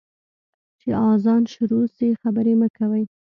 چي اذان شروع سي، خبري مه کوئ.